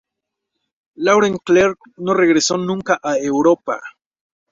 Laurent Clerc no regresó nunca a Europa.